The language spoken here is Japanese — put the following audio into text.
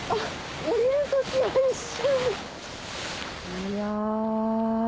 いや。